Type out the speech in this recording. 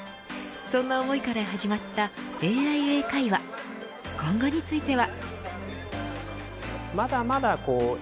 そんな思いから始まったＡＩ英会話今後については。